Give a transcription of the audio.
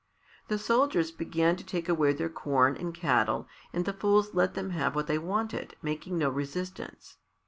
The soldiers began to take away their corn and cattle and the fools let them have what they wanted, making no resistance.